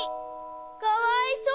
かわいそう！